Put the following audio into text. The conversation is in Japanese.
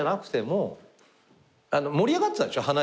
盛り上がってたんでしょ？